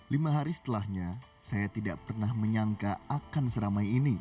lima hari setelahnya saya tidak pernah menyangka akan seramai ini